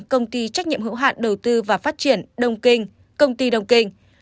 công ty trách nhiệm hữu hạn đầu tư và phát triển đông kinh công ty đông kinh